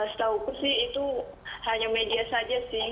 setahuku sih itu hanya media saja sih